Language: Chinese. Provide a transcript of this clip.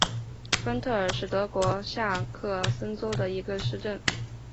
芬特尔是德国下萨克森州的一个市镇。